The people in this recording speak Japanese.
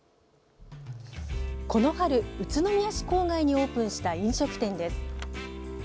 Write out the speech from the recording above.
この春、宇都宮市郊外にオープンした飲食店です。